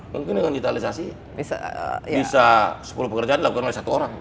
mungkin dengan digitalisasi bisa sepuluh pekerjaan dilakukan oleh satu orang